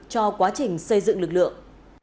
cho quá trình xây dựng lực lượng